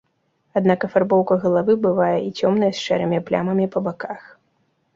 Аднак афарбоўка галавы бывае і цёмнай з шэрымі плямамі па баках.